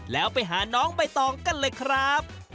แล้วไปหาน้องใบตองกันเลยครับ